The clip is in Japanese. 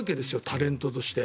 タレントとして。